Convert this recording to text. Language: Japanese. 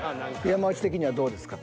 山内的にはどうですか？